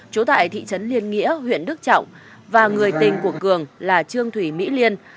chủ tại thị trấn liên nghĩa huyện đức trọng và người tên của cường là trương thủy mỹ liên